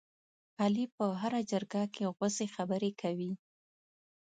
علي په هره جرګه کې غوڅې خبرې کوي.